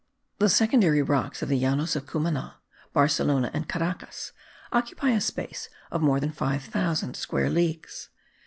The secondary rocks of the Llanos of Cumana, Barcelona and Caracas occupy a space of more than 5000 square leagues.